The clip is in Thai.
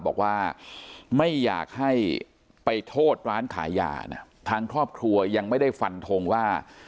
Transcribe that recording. บอกว่าไม่อยากให้ไปโทษร้านขายยานะทางครอบครัวยังไม่ได้ฟันทงว่า